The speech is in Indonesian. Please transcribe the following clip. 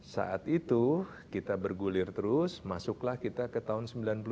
saat itu kita bergulir terus masuklah kita ke tahun sembilan puluh tujuh